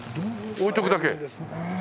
置いとくだけ？